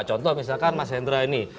contoh misalkan mas hendra ini